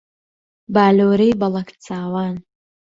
بالۆرەی بەڵەک چاوان